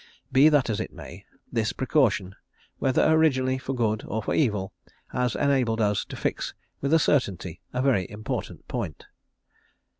Be that as it may, this precaution, whether originally for good or for evil, has enabled us to fix with certainty a very important point.